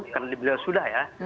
karena beliau sudah ya